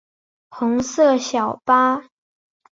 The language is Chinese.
红色小巴